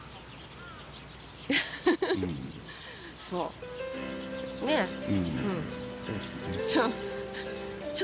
そうねぇ。